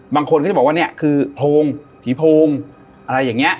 บางคนก็จะบอกว่าเนี่ยคือโพงผีโพงอะไรอย่างนี้